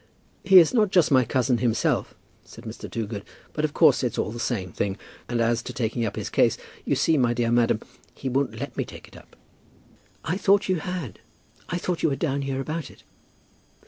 "He is not just my cousin, himself," said Mr. Toogood, "but of course it's all the same thing. And as to taking up his case, you see, my dear madam, he won't let me take it up." "I thought you had. I thought you were down here about it?"